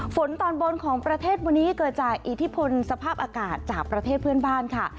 ตอนบนของประเทศวันนี้เกิดจากอิทธิพลสภาพอากาศจากประเทศเพื่อนบ้านค่ะ